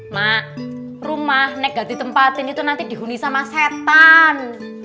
mak rumah nek nggak ditempatin itu nanti dihuni sama setan